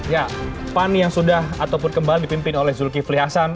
ya pan yang sudah ataupun kembali dipimpin oleh zulkifli hasan